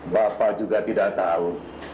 bapak juga tidak tahu